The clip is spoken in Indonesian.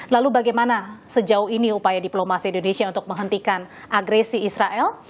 lalu bagaimana sejauh ini upaya diplomasi indonesia untuk menghentikan agresi israel